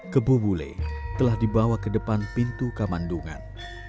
kebubule telah dibawa ke depan pintu kemandungan